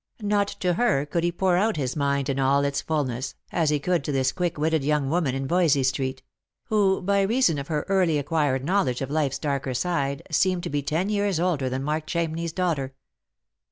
Not to her could he pour out his mind in all its fulness, as he could to Lis quick witted young woman in Voysey street ; who, by reason of her early acquired knowledge of life's darker side, seimed to be ten years older than Mark Chamney's daughter.